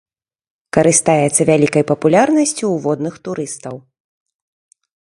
Карыстаецца вялікай папулярнасцю ў водных турыстаў.